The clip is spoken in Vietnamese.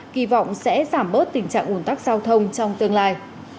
kỳ vọng sẽ giảm bớt tình trạng ủn tắc giao thông trong tương lai